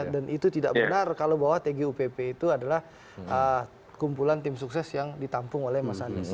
dan itu tidak benar kalau bahwa tgupp itu adalah kumpulan tim sukses yang ditampung oleh mas anies